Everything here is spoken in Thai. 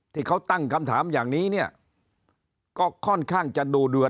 ที่เขาตั้งคำถามอย่างนี้เนี่ยก็ค่อนข้างจะดูเดือด